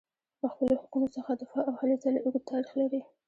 له خپلو حقونو څخه دفاع او هلې ځلې اوږد تاریخ لري.